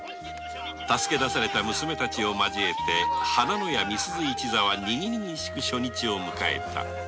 助け出された娘達を交えて花廼屋美鈴一座は賑々しく初日を迎えた